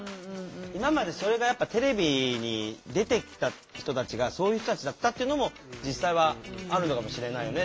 今までそれがテレビに出てきた人たちがそういう人たちだったっていうのも実際はあるのかもしれないよね。